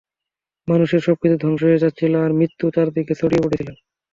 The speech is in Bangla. মানুষের সবকিছু ধ্বংস হয়ে যাচ্ছিল আর মৃত্যু চারদিকে ছড়িয়ে পড়েছিল।